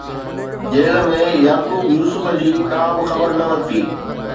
jail ۾، Yaqub Yusuf جي ڪا خبر نه ورتي